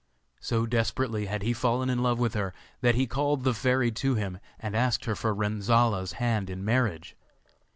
So desperately had he fallen in love with her, that he called the fairy to him, and asked her for Renzolla's hand in marriage.